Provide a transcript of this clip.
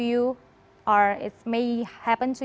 atau mungkin terjadi pada anda